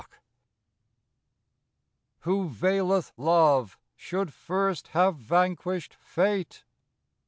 VV^HO Veileth love should first have vanquished fate.